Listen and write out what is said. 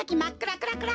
クラクラ